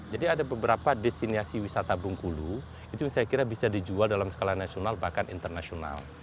jadi ada beberapa desiniasi wisata bungkulu itu saya kira bisa dijual dalam skala nasional bahkan internasional